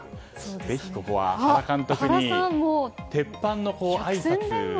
ぜひここは原監督に鉄板のあいさつ。